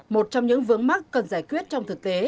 một trong những vướng mắt cần giải quyết trong thực tế